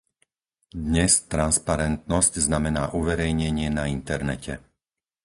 Dnes transparentnosť znamená uverejnenie na internete.